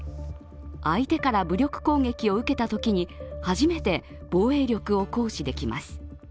相手から武力攻撃を受けたときに初めて防衛力を行使できます。